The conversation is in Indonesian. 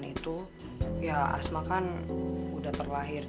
ngerti sama bocah